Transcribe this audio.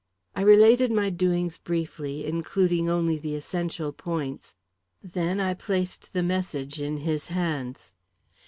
I related my doings briefly, including only the essential points. Then I placed the message in his hands.